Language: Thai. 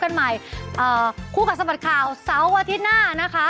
กันใหม่เอ่อคู่กับสมัสข่าวเสาร์วันที่หน้านะคะ